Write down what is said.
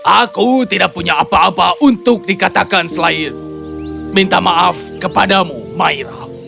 aku tidak punya apa apa untuk dikatakan selain minta maaf kepadamu maira